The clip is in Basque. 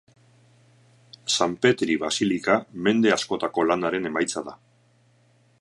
San Petri basilika mende askotako lanaren emaitza da.